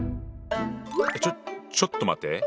ちょちょっと待って。